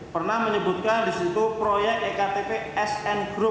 pernah menyebutkan di situ proyek ektp sn group